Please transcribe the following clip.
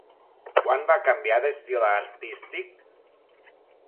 Quan va canviar d'estil artístic?